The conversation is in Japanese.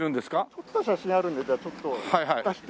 撮った写真あるんでじゃあちょっと渡して。